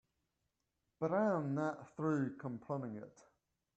But I'm not through complaining yet.